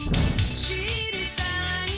知りたい」